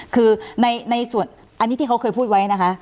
คือในส่วนที่เค้าเคยพูดไว้นะคะ